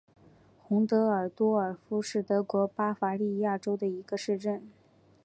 洪德尔多尔夫是德国巴伐利亚州的一个市镇。